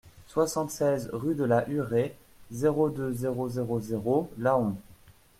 soixante-seize rue de la Hurée, zéro deux, zéro zéro zéro, Laon